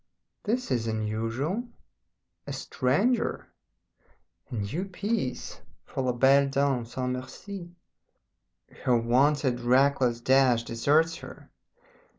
This is unusual! A stranger? A new piece for La Belle Dame Sans Merci? Her wonted reckless dash deserts her.